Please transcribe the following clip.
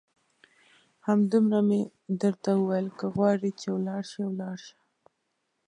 همدومره مې درته وویل، که غواړې چې ولاړ شې ولاړ شه.